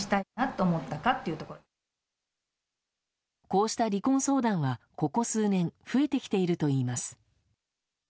こうした離婚相談は、ここ数年増えてきているといいます。